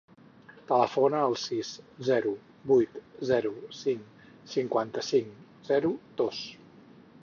Telefona al sis, zero, vuit, zero, cinc, cinquanta-cinc, zero, dos.